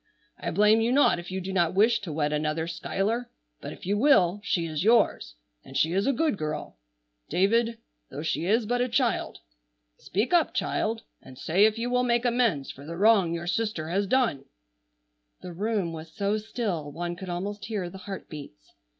I blame you not if you do not wish to wed another Schuyler, but if you will she is yours. And she is a good girl. David, though she is but a child. Speak up, child, and say if you will make amends for the wrong your sister has done!" The room was so still one could almost hear the heartbeats.